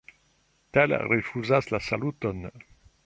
Tell rifuzas la saluton.